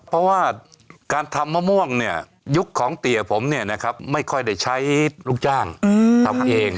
เพราะว่าการทำมะม่วงยุคของเตียผมไม่ค่อยได้ใช้ลูกจ้างทำเอง